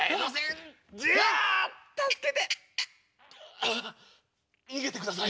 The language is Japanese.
ああ逃げてください。